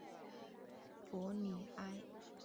博内埃。